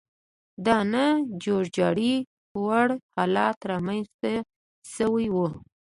د نه جوړجاړي وړ حالت رامنځته شوی و.